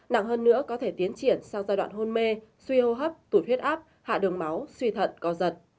nặng hơn nữa có thể tiến triển sau giai đoạn hôn mê suy hô hấp tụt huyết áp hạ đường máu suy thận co giật